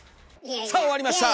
さあ終わりました！